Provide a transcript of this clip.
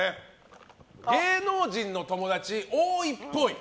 芸能人の友達多いっぽい。